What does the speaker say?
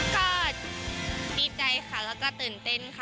ก็ดีใจค่ะแล้วก็ตื่นเต้นค่ะ